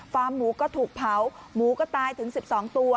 หมูก็ถูกเผาหมูก็ตายถึง๑๒ตัว